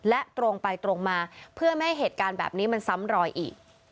และตรงไปตรงมาเพื่อไม่ให้เหตุการณ์แบบนี้มันซ้ำรอยอีก